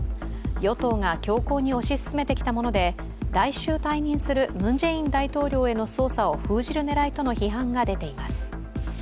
与党が強行に推し進めてきたもので来週退任するムン・ジェイン大統領への捜査を封じる狙いとの批判が出ています。